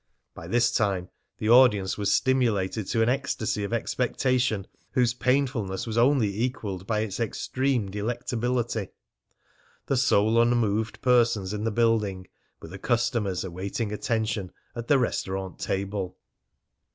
By this time the audience was stimulated to an ecstasy of expectation, whose painfulness was only equalled by its extreme delectability. The sole unmoved persons in the building were the customers awaiting attention at the restaurant table.